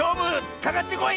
かかってこい！